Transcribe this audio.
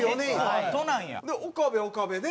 岡部は岡部で。